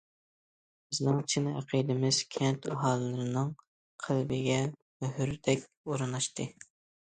بىزنىڭ چىن ئەقىدىمىز كەنت ئاھالىلىرىنىڭ قەلبىگە مۆھۈردەك ئورناشتى.